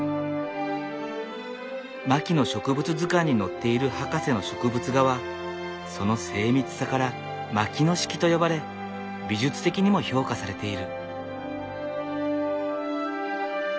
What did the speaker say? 牧野植物図鑑に載っている博士の植物画はその精密さから牧野式と呼ばれ美術的にも評価されている。